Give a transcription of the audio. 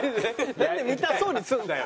なんで見たそうにするんだよ。